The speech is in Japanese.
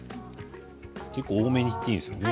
結構多めにいっていいんですね。